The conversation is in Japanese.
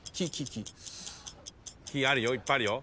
「き」あるよ。